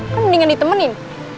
kan mendingan ditemenin